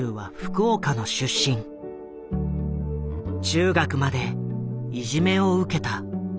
中学までいじめを受けた。